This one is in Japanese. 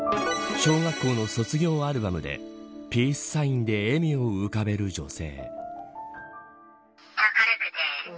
小学校の卒業アルバムでピースサインで笑みを浮かべる女性。